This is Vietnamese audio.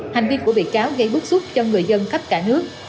hành vi của bị cáo gây bức xúc cho người dân khắp cả nước